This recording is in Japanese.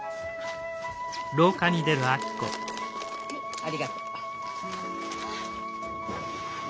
ありがとう。